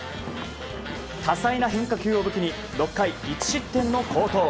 多彩な変化球を武器に６回１失点の好投。